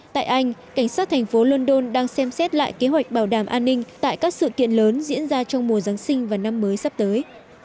tại anh cảnh sát thành phố london đang xem xét lại kế hoạch bảo đảm an ninh tại các sự kiện lớn diễn ra trong mùa giáng sinh và năm mới sắp tới